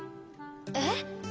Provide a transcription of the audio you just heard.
えっ？